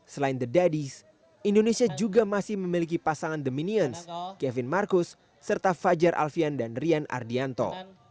selain the daddies indonesia juga masih memiliki pasangan the minions kevin marcus serta fajar alfian dan rian ardianto